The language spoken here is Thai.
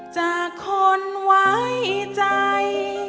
จากคนไว้ใจ